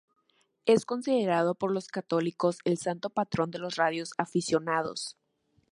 Es considerado por los católicos el santo patrón de los radio aficionados.